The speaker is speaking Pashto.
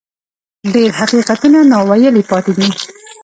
ډېر حقیقتونه ناویلي پاتې دي.